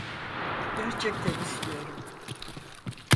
Gerçekten istiyorum.